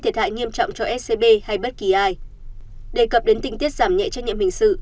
thiệt hại nghiêm trọng cho scb hay bất kỳ ai đề cập đến tình tiết giảm nhẹ trách nhiệm hình sự